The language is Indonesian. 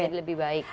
menjadi lebih baik